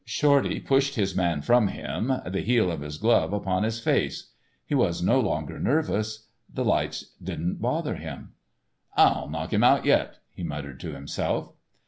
Shorty pushed his man from him, the heel of his glove upon his face. He was no longer nervous. The lights didn't bother him. "I'll knock him out yet," he muttered to himself.